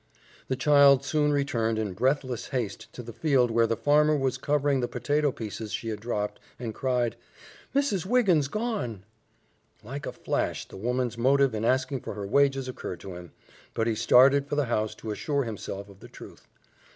The child soon returned in breathless haste to the field where the farmer was covering the potato pieces she had dropped, and cried, "Mrs. Wiggins's gone!" Like a flash the woman's motive in asking for her wages occurred to him, but he started for the house to assure himself of the truth.